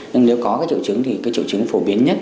nhưng nếu có triệu chứng thì triệu chứng phổ biến nhất